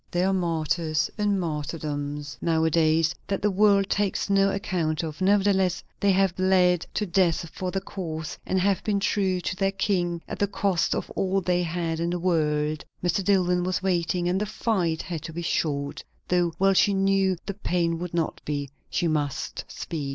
There are martyrs and martyrdoms now a days, that the world takes no account of; nevertheless they have bled to death for the cause, and have been true to their King at the cost of all they had in the world. Mr. Dillwyn was waiting, and the fight had to be short, though well she knew the pain would not be. She must speak.